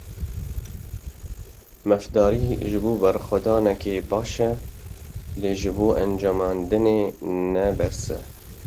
Mafdarî ji bo berxwedanekê baş e lê ji bo encamandinê ne bes e.